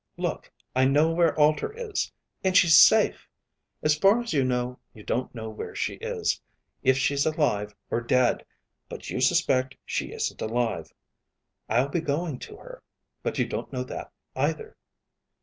"Look I know where Alter is. And she's safe. As far as you know, you don't know where she is, if she's alive or dead. But you suspect she isn't alive. I'll be going to her, but you don't know that either.